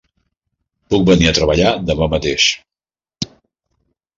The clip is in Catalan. Puc venir a treballar demà mateix.